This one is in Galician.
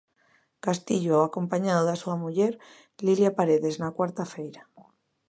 Castillo, acompañado da súa muller, Lilia Paredes, na cuarta feira.